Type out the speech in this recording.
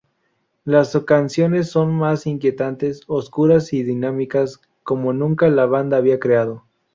Las canciones son más inquietantes, oscuras y dinámicas como nunca la banda había creado.